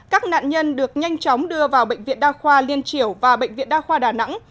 các nạn nhân được nhanh chóng đưa vào bệnh viện đa khoa liên triểu và bệnh viện đa khoa đà nẵng